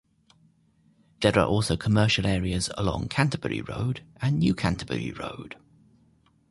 There are also commercial areas along Canterbury Road and New Canterbury Road.